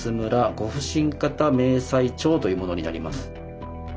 御普請方明細帳」というものになります。